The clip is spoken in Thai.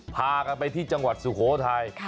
พากันไปที่จังหวัดสุโขทัย